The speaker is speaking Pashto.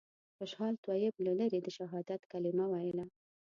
خوشحال طیب له لرې د شهادت کلمه ویله.